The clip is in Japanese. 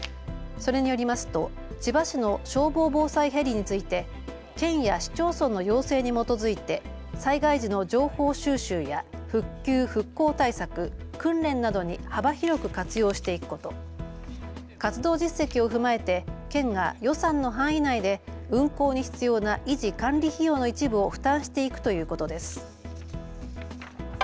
それによりますと千葉市の消防防災ヘリについて県や市町村の要請に基づいて災害時の情報収集や復旧・復興対策、訓練などに幅広く活用していくこと、活動実績を踏まえて県が予算の範囲内で運航に必要な維持管理費用の一部を負担していくということです。